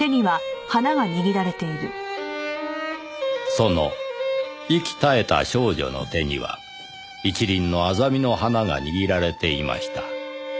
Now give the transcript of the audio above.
その息絶えた少女の手には１輪のアザミの花が握られていました。